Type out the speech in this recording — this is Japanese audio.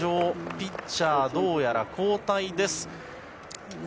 ピッチャー、どうやら交代です。